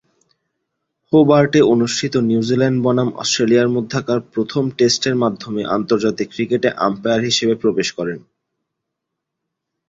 হোবার্টে অনুষ্ঠিত নিউজিল্যান্ড বনাম অস্ট্রেলিয়ার মধ্যকার প্রথম টেস্টের মাধ্যমে আন্তর্জাতিক ক্রিকেটে আম্পায়ার হিসেবে প্রবেশ করেন।